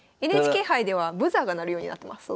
ＮＨＫ杯ではブザーが鳴るようになってます